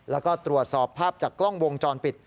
แล้วก็ตรวจสอบภาพจากกล้องวงจรปิด